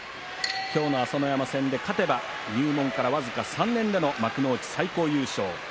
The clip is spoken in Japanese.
今日の朝乃山戦で勝てば入門から僅か３年の幕内最高優勝です。